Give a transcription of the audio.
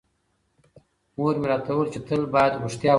مور مې راته وویل چې تل بايد رښتیا ووایم.